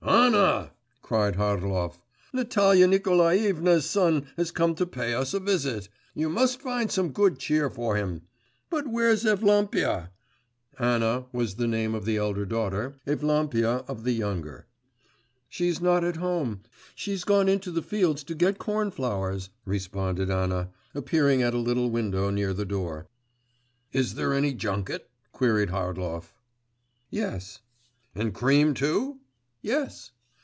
'Anna!' cried Harlov, 'Natalia Nikolaevna's son has come to pay us a visit; you must find some good cheer for him. But where's Evlampia?' (Anna was the name of the elder daughter, Evlampia of the younger.) 'She's not at home; she's gone into the fields to get cornflowers,' responded Anna, appearing at a little window near the door. 'Is there any junket?' queried Harlov. 'Yes.' 'And cream too?' 'Yes.